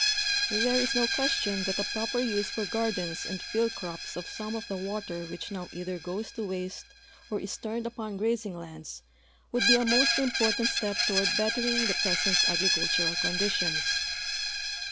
There is no question that a }u oi)er use for gardens and field cro[)S of some of the water which now either goes to waste or is turned upon grazing lands would be a most im])ortant step toward l)ettering the i)resent agricultural conditions.